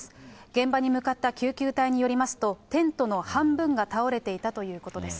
現場に向かった救急隊によりますと、テントの半分が倒れていたということです。